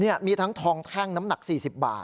นี่มีทั้งทองแท่งน้ำหนัก๔๐บาท